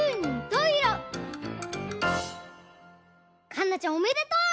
かんなちゃんおめでとう！